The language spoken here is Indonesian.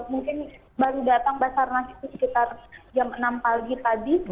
mungkin baru datang basarnas itu sekitar jam enam pagi tadi